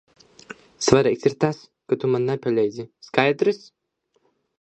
Svarīgi ir tas, ka tu man nepalīdzi, skaidrs?